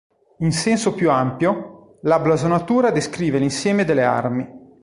In senso più ampio, la blasonatura descrive l'insieme delle armi.